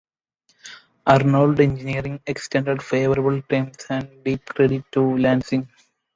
Arnold Engineering extended favorable terms and deep credit to Lansing.